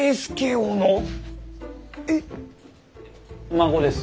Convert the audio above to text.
孫です。